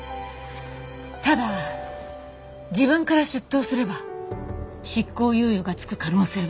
ただ自分から出頭すれば執行猶予がつく可能性はある。